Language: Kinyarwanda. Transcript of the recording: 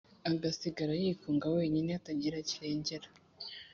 agasigara yikunga wenyine atagira kirengera»